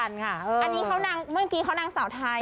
อันนี้เขานางเมื่อกี้เขานางสาวไทย